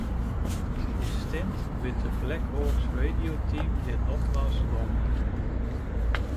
His stint with the Blackhawks radio team did not last long.